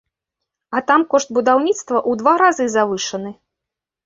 А там кошт будаўніцтва ў два разы завышаны!